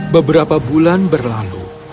beberapa bulan berlalu